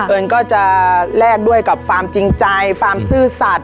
เอิ้นก็จะแลกด้วยกับฟาร์มจริงใจฟาร์มซื่อสัตย์